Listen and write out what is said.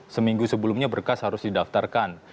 seminggu sebelumnya berkas harus didaftarkan